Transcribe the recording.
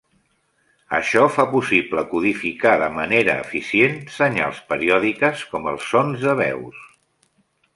Això fa possible codificar de manera eficient senyals periòdiques, com els sons de veus.